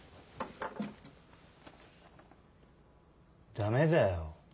駄目だよ。